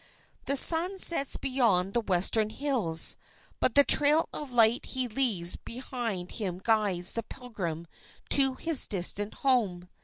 The sun sets beyond the western hills, but the trail of light he leaves behind him guides the pilgrim to his distant home.